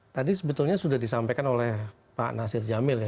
tadi sebetulnya sudah disampaikan oleh pak nasir jamil ya